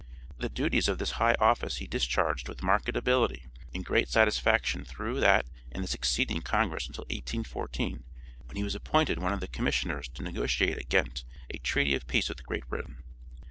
The duties of this high office he discharged with marked ability and great satisfaction through that and the succeeding Congress until 1814, when he was appointed one of the commissioners to negotiate at Ghent, a treaty of peace with Great Britain.